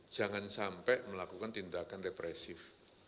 jangan sampai melakukan tindakan represif